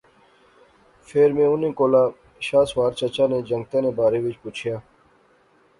فیر میں انیں کولا شاہ سوار چچا نے جنگتے نے بارے وچ پچھیا